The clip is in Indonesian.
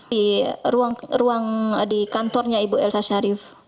di ruang kantornya ibu elsa sarif